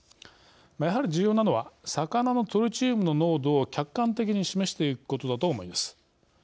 やはり重要なのは魚のトリチウムの濃度を客観的に示していくことだと思います。